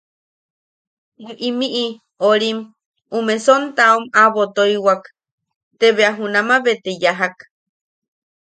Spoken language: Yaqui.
–Bwe imi... orim... ume sontaom aʼabo toiwak, te bea junama be te yajak.